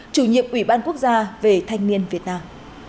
chủ nhiệm ủy ban quốc gia về thanh niên việt nam